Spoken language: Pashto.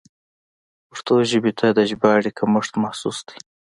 پښتو ژبې ته د ژباړې کمښت محسوس دی.